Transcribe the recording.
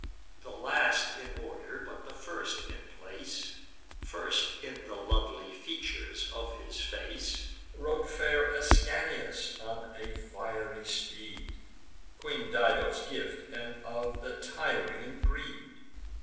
The last in order, but the first in place, First in the lovely features of his face, Rode fair Ascanius on a fiery steed, Queen Dido's gift, and of the Tyrian breed.